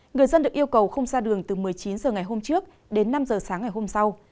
người dân được yêu cầu không ra đường từ một mươi chín h ngày hôm trước đến năm h sáng ngày hôm sau